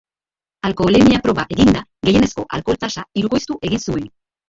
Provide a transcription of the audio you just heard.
Alkoholemia-proba eginda, gehienezko alkohol-tasa hirukoiztu egin zuen.